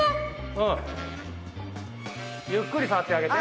ゆっくり触ってあげて。